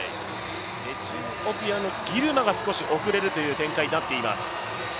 エチオピアのギルマが少し遅れるという展開になっています。